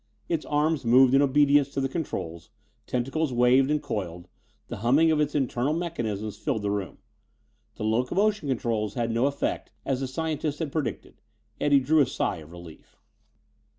Its arms moved in obedience to the controls, tentacles waved and coiled; the humming of its internal mechanisms filled the room. The locomotion controls had no effect, as the scientist had predicted. Eddie drew a sigh of relief.